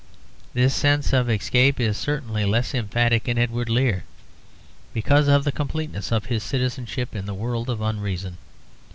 This sense of escape is certainly less emphatic in Edward Lear, because of the completeness of his citizenship in the world of unreason.